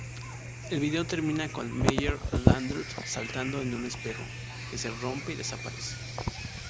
El video termina con Meyer-Landrut saltando en un espejo, que se rompe y desaparece.